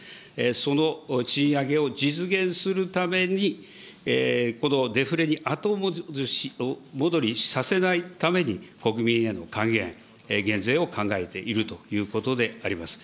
その賃上げを実現するために、このデフレに後戻りさせないために、国民への還元、減税を考えているということであります。